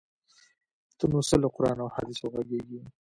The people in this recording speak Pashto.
ته نو څه له قران او احادیثو ږغیږې؟!